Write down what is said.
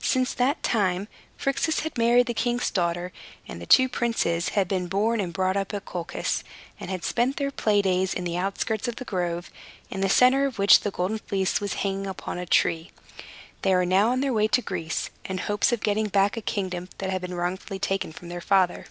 Since that time, Phrixus had married the king's daughter; and the two young princes had been born and brought up at Colchis, and had spent their play days in the outskirts of the grove, in the center of which the Golden Fleece was hanging upon a tree. They were now on their way to Greece, in hopes of getting back a kingdom that had been wrongfully taken from their father.